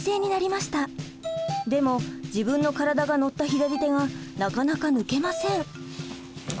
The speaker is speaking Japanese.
でも自分の体が乗った左手がなかなか抜けません。